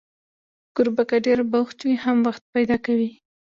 کوربه که ډېر بوخت وي، هم وخت پیدا کوي.